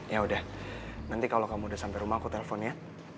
yaudah nanti kalo kamu udah sampe rumah aku telfon ya